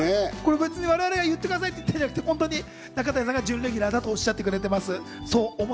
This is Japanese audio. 別に我々が言ってくださいって言ってるんじゃなくて、中谷さんが準レギュラーだとおっしゃってくれています。